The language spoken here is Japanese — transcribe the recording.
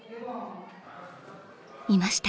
［いました。